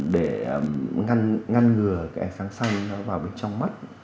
để ngăn ngừa cái ánh sáng xanh nó vào bên trong mắt